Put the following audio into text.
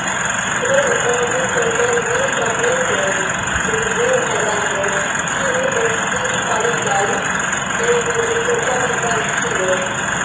Krome, oni konservis fragmentojn de diversa grando, kiuj estis faritaj en mezepoka Bizancio.